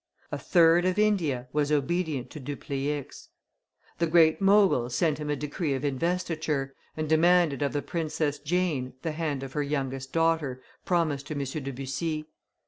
A third of India was obedient to Dupleix; the Great Mogul sent him a decree of investiture, and demanded of the Princess Jane the hand of her youngest daughter, promised to M. de Bussy.